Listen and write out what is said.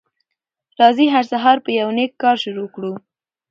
راځی هر سهار په یو نیک کار شروع کړو